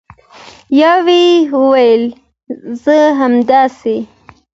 یوې وویل: زه همداسې